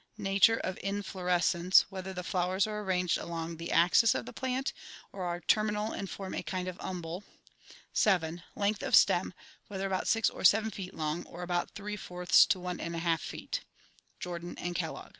Nature of inflorescence, whether the flowers are arranged along the axis of the plant; or are terminal and form a kind of umbel. " 7. Length of stem, whether about six or seven feet long; or about three fourths to one and one half feet" (Jordan and Kellogg).